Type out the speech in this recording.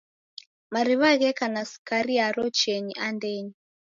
Mariw'a gheka na sukari yaro cheni andenyi.